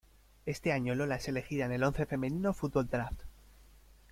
Este año Lola es elegida en el Once Femenino Fútbol Draft.